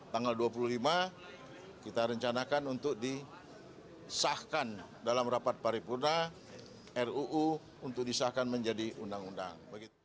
tanggal dua puluh lima kita rencanakan untuk disahkan dalam rapat paripurna ruu untuk disahkan menjadi undang undang